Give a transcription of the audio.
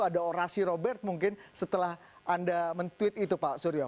ada orasi robert mungkin setelah anda men tweet itu pak suryo